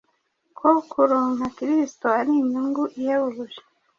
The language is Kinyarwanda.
ko kuronka Kristo ari inyungu ihebuje